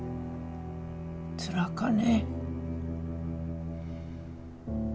つらかね。